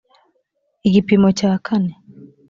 igipimo cya kane